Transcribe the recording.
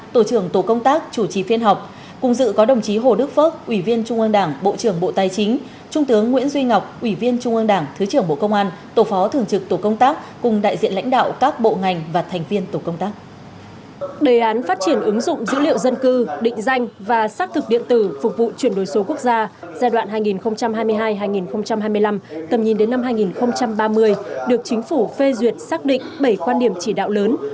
tổ công tác triển khai đề án phát triển ứng dụng dữ liệu dân cư định danh và xác thực điện tử phục vụ chuyển đổi số quốc gia giai đoạn hai nghìn hai mươi hai hai nghìn hai mươi năm tầm nhìn đến năm hai nghìn ba mươi được chính phủ phê duyệt xác định bảy quan điểm phát triển